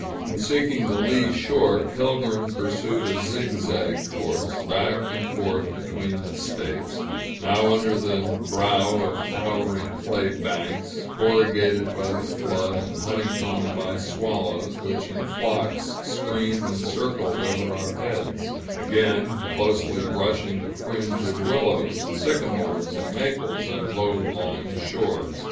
In seeking the lee shore, Pilgrim pursued a zigzag course, back and forth between the States, now under the brow of towering clay banks, corrugated by the flood, and honeycombed by swallows, which in flocks screamed and circled over our heads; again, closely brushing the fringe of willows and sycamores and maples on low lying shores.